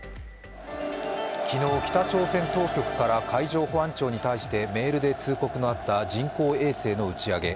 昨日、北朝鮮当局から海上保安庁に対してメールで通告のあった人工衛星の打ち上げ。